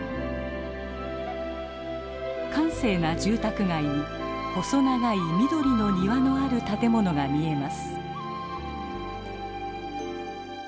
閑静な住宅街に細長い緑の庭のある建物が見えます。